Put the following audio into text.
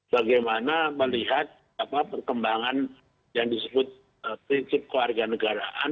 bagaimana melihat perkembangan yang disebut prinsip kewarganegaraan